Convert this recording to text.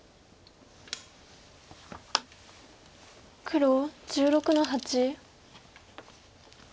黒１６の八。